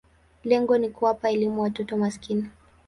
Lengo ni kuwapa elimu watoto maskini.